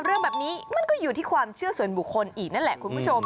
เรื่องแบบนี้มันก็อยู่ที่ความเชื่อส่วนบุคคลอีกนั่นแหละคุณผู้ชม